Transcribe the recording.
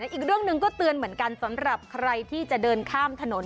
อีกเรื่องหนึ่งก็เตือนเหมือนกันสำหรับใครที่จะเดินข้ามถนน